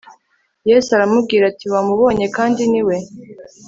Yesu aramubwira ati Wamubonye kandi ni we